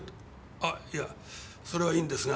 あっいやそれはいいんですが。